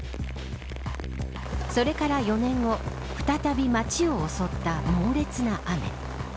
それから４年後再び町を襲った猛烈な雨。